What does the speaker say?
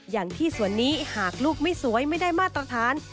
อย่างที่สวนนี้หากลูกไม่สวยไม่ได้มาตรฐาน